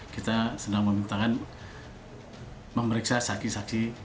kita sedang memintakan memeriksa saksi saksi